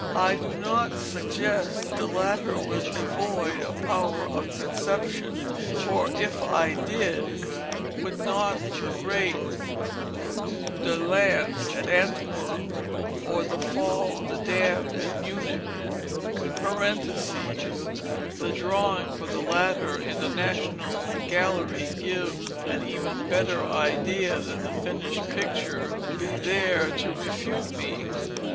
I do not suggest that the latter was devoid of power of conception, for, if I did, would not the great "Coup de lance" at Antwerp, or the "Fall of the Damned" at Munich (the drawing for the latter in the National Gallery gives an even better idea than the finished picture) be there to refute me?